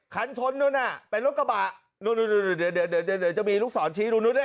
ขันชนนู่นน่ะเป็นรถกระบะนู่นจะมีลูกสอนชี้ดูนู้นด้วย